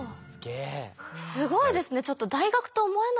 すごいですね。